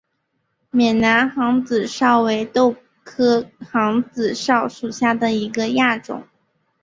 缅南杭子梢为豆科杭子梢属下的一个亚种。